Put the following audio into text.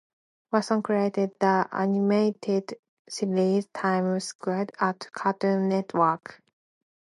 Wasson created the animated series "Time Squad" at Cartoon Network.